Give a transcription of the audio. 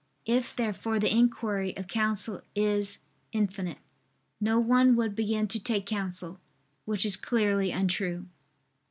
If therefore the inquiry of counsel is infinite, no one would begin to take counsel. Which is clearly untrue.